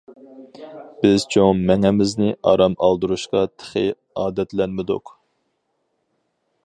بىز چوڭ مېڭىمىزنى ئارام ئالدۇرۇشقا تېخى ئادەتلەنمىدۇق.